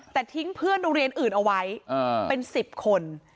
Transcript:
แต่ทิ้งเพื่อนโรงเรียนอื่นเอาไว้เป็น๑๐คน